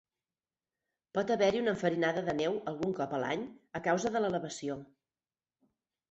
Pot haver-hi una enfarinada de neu algun cop a l'any a causa de l'elevació.